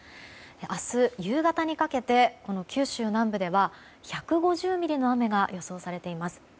明日夕方にかけて九州南部では１５０ミリの雨が予想されています。